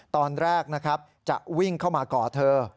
ตอนแรกนะครับจะวิ่งเข้ามาก่อเธอ